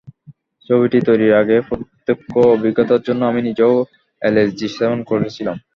ছবিটি তৈরির আগে প্রত্যক্ষ অভিজ্ঞতার জন্য আমি নিজেও এলএসডি সেবন করেছিলাম।